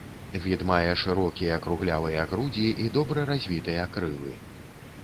Від мае шырокія круглявыя грудзі і добра развітыя крылы.